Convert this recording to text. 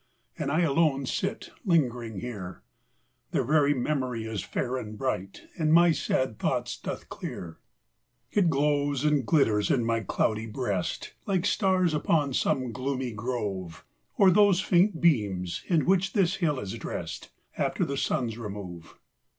And I alone sit lingering here! Their very memory is fair and bright, And my sad thoughts doth clear. It glows and glitters in my cloudy breast, Like stars upon some gloomy grove, Or those faint beams in which this hill is dfessed After the sun's remove.